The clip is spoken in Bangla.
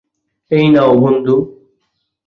এই নাও বন্ধু।